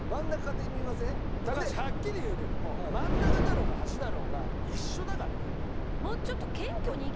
高橋はっきり言うけども真ん中だろうが端だろうが一緒だから。